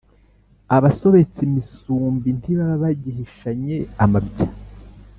abasobetse imisumbi ntibaba bagihishanye amabya.